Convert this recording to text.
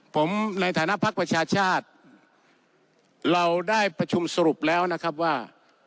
ผมในฐานะภักดิ์ประชาชาติเราได้ประชุมสรุปแล้วนะครับว่า